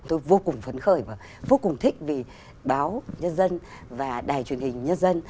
tôi vô cùng phấn khởi và vô cùng thích vì báo nhân dân và đài truyền hình nhân dân